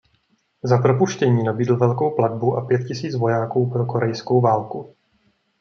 Za propuštění nabídl velkou platbu a pět tisíc vojáků pro korejskou válku.